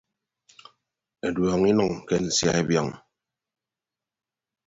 Eduọñọ inʌñ ke nsia ebiọñ.